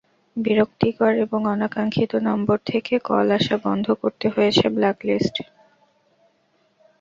বিরক্তিকর ও অনাকাঙ্ক্ষিত নম্বর থেকে কল আসা বন্ধ করতে রয়েছে ব্ল্যাক লিস্ট।